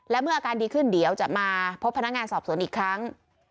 และเมื่ออาการดีขึ้นเดี๋ยวจะมาพบพนักงานสอบสวนอีกครั้ง